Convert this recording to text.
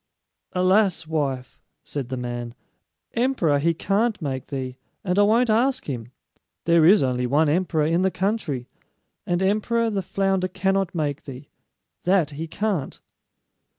"Alas, wife," said the man, "emperor he can't make thee, and I won't ask him. There is only one emperor in the country; and emperor the flounder cannot make thee, that he can't."